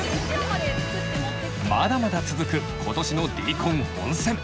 まだまだ続く今年のＤコン本選。